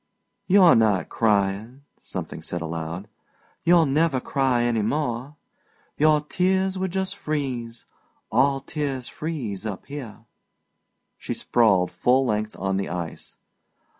"You're not crying," something said aloud. "You'll never cry any more. Your tears would just freeze; all tears freeze up here!" She sprawled full length on the ice.